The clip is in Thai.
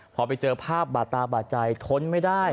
พอไปเจอภาพบาดตาบาดใจทนไม่ได้